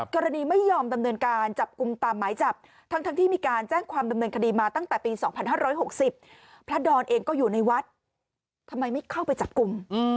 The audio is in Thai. ไม่ยอมดำเนินการจับกลุ่มตามหมายจับทั้งที่มีการแจ้งความดำเนินคดีมาตั้งแต่ปี๒๕๖๐พระดอนเองก็อยู่ในวัดทำไมไม่เข้าไปจับกลุ่ม